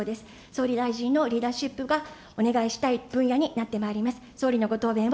総理大臣のリーダーシップがお願いしたい分野になってまいります。